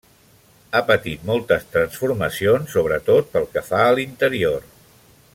Ha patit moltes transformacions sobretot pel que fa a l'interior.